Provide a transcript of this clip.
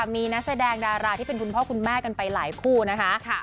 มีนักแสดงดาราที่เป็นคุณพ่อคุณแม่กันไปหลายคู่นะคะ